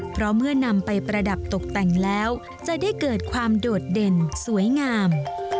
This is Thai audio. เพราะเมื่อนำไปประดับตกแต่งแล้วจะได้เกิดความโดดเด่นสวยงาม